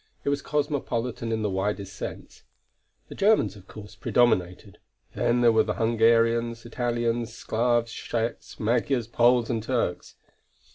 It was cosmopolitan in the widest sense. The Germans of course predominated; then there were Hungarians, Italians, Sclavs, Sczechs, Magyars, Poles and Turks.